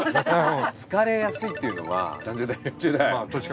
疲れやすいっていうのは３０代４０代。